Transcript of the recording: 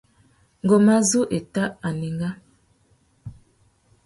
Ngu má zu éta anenga.